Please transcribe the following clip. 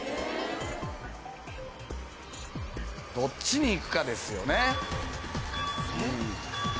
どっちに行くかですよね。